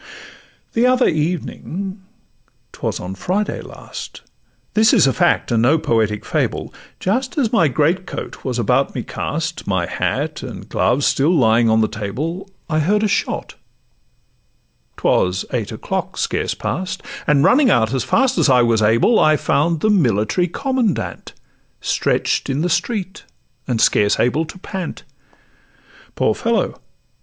The other evening ('twas on Friday last)— This is a fact and no poetic fable— Just as my great coat was about me cast, My hat and gloves still lying on the table, I heard a shot—'twas eight o'clock scarce past— And, running out as fast as I was able, I found the military commandant Stretch'd in the street, and able scarce to pant. Poor fellow!